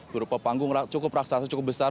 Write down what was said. berupa panggung cukup raksasa cukup besar